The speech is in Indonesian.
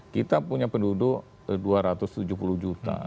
kita punya penduduk dua ratus tujuh puluh juta